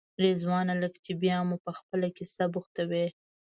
رضوانه لکه چې بیا مو په خپله کیسه بوختوې.